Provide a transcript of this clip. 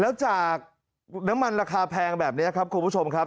แล้วจากน้ำมันราคาแพงแบบนี้ครับคุณผู้ชมครับ